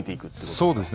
そうですね。